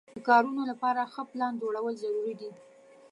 د کارونو لپاره ښه پلان جوړول ضروري دي.